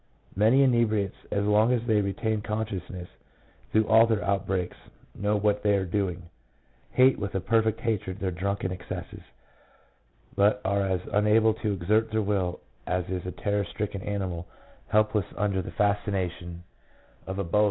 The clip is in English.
Many inebriates, as long as they retain consciousness, through all their outbreaks know what they are doing, hate with a perfect hatred their drunken excesses, but are as unable to exert their will as is a terror stricken animal helpless under the fascina I I 8 PSYCHOLOGY OF ALCOHOLISM.